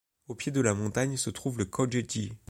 Au pied de la montagne se trouve le Koge-ji.